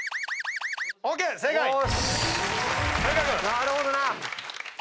なるほどな。